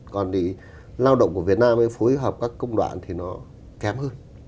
còn thì lao động ở việt nam ấy phối hợp các công đoạn thì nó kém hơn